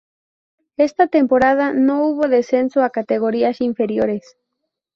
Esta temporada no hubo descenso a categorías inferiores.